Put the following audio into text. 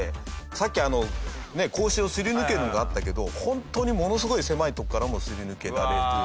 さっきあの格子をすり抜けるのがあったけど本当にものすごい狭いとこからもすり抜けられる。